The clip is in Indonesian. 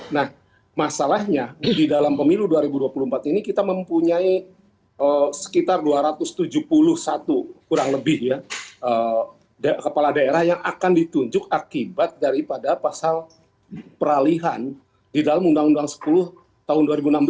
nah masalahnya di dalam pemilu dua ribu dua puluh empat ini kita mempunyai sekitar dua ratus tujuh puluh satu kurang lebih ya kepala daerah yang akan ditunjuk akibat daripada pasal peralihan di dalam undang undang sepuluh tahun dua ribu enam belas